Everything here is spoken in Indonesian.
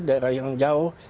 daerah yang jauh